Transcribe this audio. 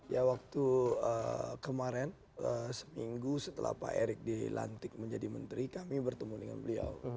itu kemarin seminggu setelah pak erik dilantik menjadi menteri kami bertemu dengan beliau